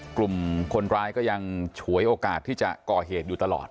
กลุ่มคนร้ายก็ยังฉวยโอกาสที่จะก่อเหตุอยู่ตลอด